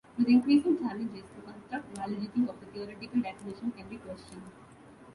With increasing challenges, the construct validity of a theoretical definition can be questioned.